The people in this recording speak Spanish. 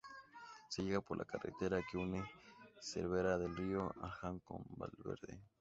Se llega por la carretera que une Cervera del Río Alhama con Valverde.